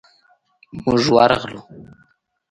موږ ورغلو.